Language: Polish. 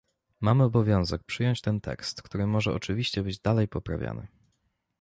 Mamy obowiązek przyjąć ten tekst, który może oczywiście być dalej poprawiany